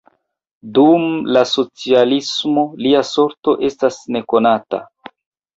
Dum la socialismo lia sorto estas nekonata.